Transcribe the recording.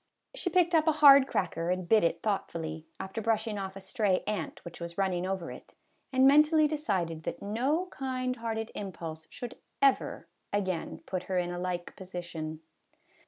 She picked up a hard cracker. and bit it thoughtfully, after brushing off a stray ant which was running over it, and mentally decided that no kind hearted impulse should ever again put her in a like position.